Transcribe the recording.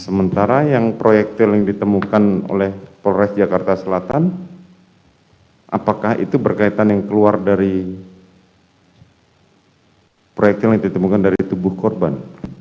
sementara yang proyektil yang ditemukan oleh polres jakarta selatan apakah itu berkaitan yang keluar dari proyektil yang ditemukan dari tubuh korban